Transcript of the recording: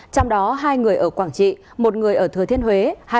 trong đó hai người ở quảng trị một người ở thừa thiên huế